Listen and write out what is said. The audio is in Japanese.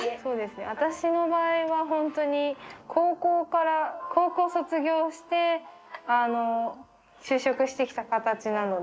私の場合はホントに高校卒業して就職してきた形なので。